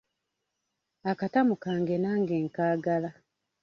Akatamu kange nange nkaagala.